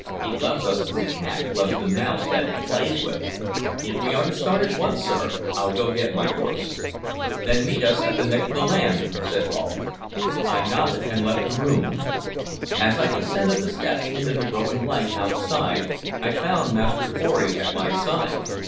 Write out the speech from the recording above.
"He loves us as a cat loves the mouse that it plays with. If we are to start at once, sir, I'll go get my horse." "Then meet us at the neck of land," said Rolfe. I nodded, and left the room. As I descended the steps into the growing light outside, I found Master Pory at my side.